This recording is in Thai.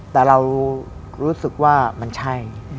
แต่เรารู้สึกว่ามันใช่